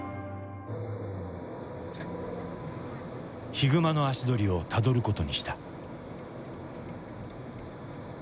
ヒグマの足取りをたどることにした。